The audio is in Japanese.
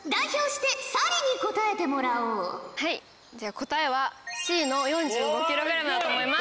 答えはＣの４５ｋｇだと思います。